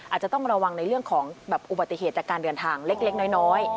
อาจจะต้องระวังในเรื่องของอุบัติเหตุจากการเดินทางเล็กน้อย